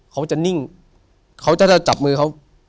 เขาจะนิ่งเขาจะจับมือเขา